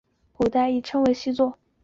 古代亦称作细作。